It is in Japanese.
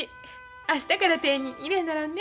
明日から手に入れんならんね。